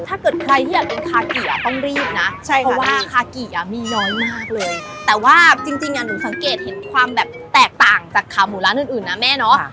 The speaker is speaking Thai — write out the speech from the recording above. ถ้าเกิดใครที่อยากกินคาเกียต้องรีบนะเพราะว่าคาเกียมีน้อยมากเลยแต่ว่าจริงหนูสังเกตเห็นความแบบแตกต่างจากขาหมูร้านอื่นนะแม่เนาะ